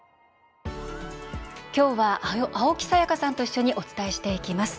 今日は青木さやかさんと一緒にお伝えしていきます。